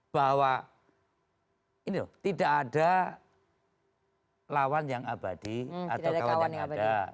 bahwa ini loh tidak ada lawan yang abadi atau kawan yang ada